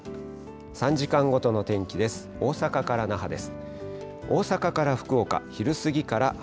３時間ごとの天気です。